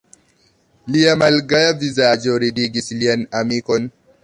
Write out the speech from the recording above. Lia malgaja vizaĝo ridigis lian amikon.